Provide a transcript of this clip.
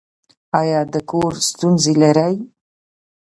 ایا د کور ستونزې لرئ؟